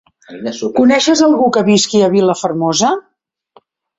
Coneixes algú que visqui a Vilafermosa?